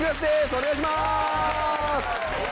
お願いします！